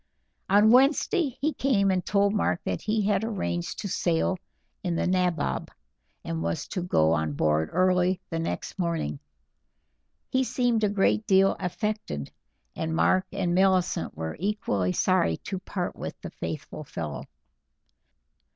On Wednesday he came and told Mark that he had arranged to sail in the Nabob, and was to go on board early the next morning. He seemed a great deal affected, and Mark and Millicent were equally sorry to part with the faithful fellow.